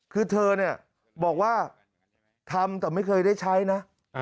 คือเธอเนี่ยบอกว่าทำแต่ไม่เคยได้ใช้นะ